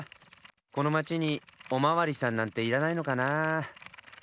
このまちにおまわりさんなんていらないのかなあ？